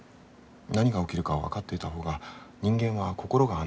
何が起きるかが分かっていた方が人間は心が安定する。